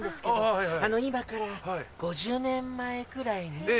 今から５０年前くらいに。